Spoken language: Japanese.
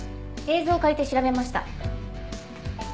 映像を借りて調べました。